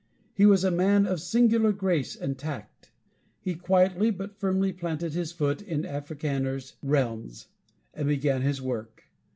He was a man of singular grace and tact. He quietly but firmly planted his foot in Africaner's realms, and began his work.